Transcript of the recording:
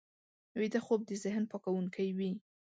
ویده خوب د ذهن پاکوونکی وي